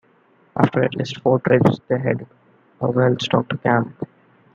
After at least four trips, they had a well stocked camp.